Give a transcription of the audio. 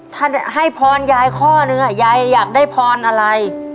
ถ้าให้พรยายข้อนึงยายอยากได้พรอะไร